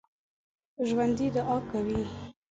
ژوندي دعا کوي